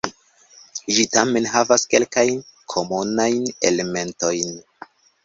Ĝi tamen havas kelkajn komunajn elementojn.